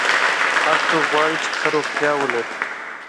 هر څوک غواړي چې ښه روغتیا ولري.